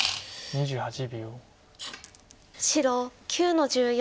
２８秒。